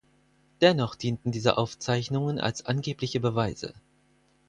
Dennoch dienten diese Aufzeichnungen als angebliche Beweise.